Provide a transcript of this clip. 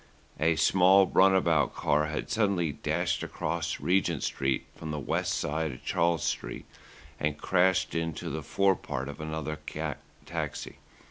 A small run about car had suddenly dashed across Regent Street from the west side of Charles Street and crashed into the forepart of another taxi.